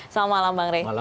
selamat malam bang ray